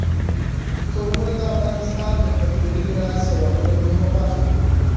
قومونه د افغانستان د کلتوري میراث یوه ډېره مهمه برخه ده.